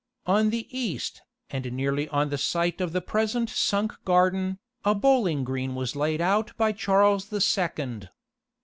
On the east, and nearly on the site of the present sunk garden, a bowling green was laid out by Charles the Second.